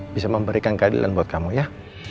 bisa memberikan keadilan buat kamu ya